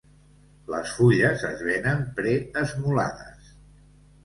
Les fulles es venen pre-esmolades.